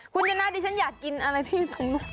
คุณชนะดิฉันอยากกินอะไรที่ตรง